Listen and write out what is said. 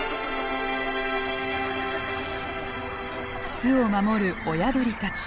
巣を守る親鳥たち。